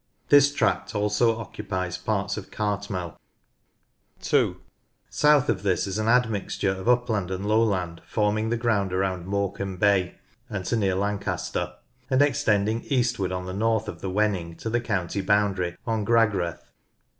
This tract also occupies parts of Cartmel. SURFACE AND GENERAL FEATURES 33 (2) South of this is an admixture of upland and lowland forming the ground around Morecambe Hay and to near Lancaster, and extending eastward on the north of the Wenning to the county boundary on Gragreth.